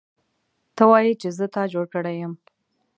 ته وایې چې زه تا جوړ کړی یم